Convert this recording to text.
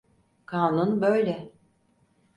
Kanun böyle.